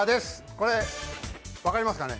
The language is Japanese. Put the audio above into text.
これ分かりますかね？